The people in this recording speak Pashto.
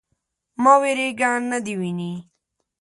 _مه وېرېږه. نه دې ويني.